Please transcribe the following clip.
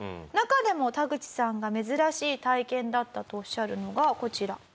中でもタグチさんが珍しい体験だったとおっしゃるのがこちら。